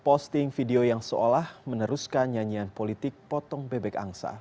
posting video yang seolah meneruskan nyanyian politik potong bebek angsa